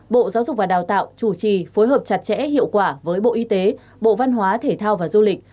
bộ giáo dục và đào tạo chủ trì phối hợp chặt chẽ hiệu quả với bộ y tế bộ văn hóa thể thao và du lịch